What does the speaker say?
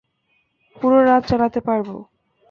পুরো রাত চালাতে পারবো।